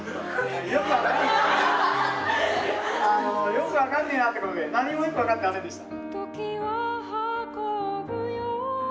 よく分かんねえなってことで何もよく分かってませんでした。